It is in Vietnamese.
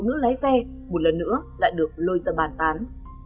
phụ nữ lái xe một lần nữa đã được lôi ra bàn tán